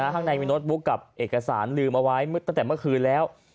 ข้างในมีโน้ตบุ๊กกับเอกสารลืมเอาไว้ตั้งแต่เมื่อคืนแล้ว